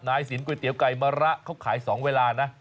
สินก๋วยเตี๋ยไก่มะระเขาขาย๒เวลานะ